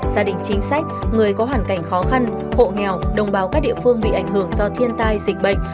gia đình chính sách người có hoàn cảnh khó khăn hộ nghèo đồng bào các địa phương bị ảnh hưởng do thiên tai dịch bệnh